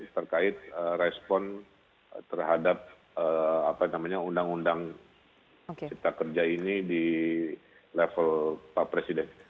terkait respon terhadap undang undang cipta kerja ini di level pak presiden